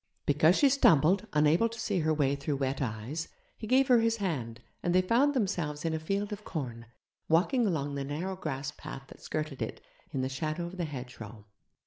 Because she stumbled, unable to see her way through wet eyes, he gave her his hand, and they found themselves in a field of corn, walking along the narrow grass path that skirted it, in the shadow of the hedgerow.